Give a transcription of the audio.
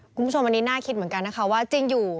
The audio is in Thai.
คุณผู้ชมอันนี้น่าคิดเหมือนกันนะคะว่าจริงอยู่